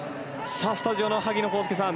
スタジオの萩野公介さん